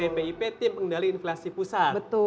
tpip tim pengendalian inflasi pusat